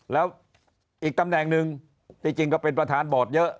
แล้วอีกตำแหน่งหนึ่งที่จริงก็เป็นประธานบอร์ดเยอะ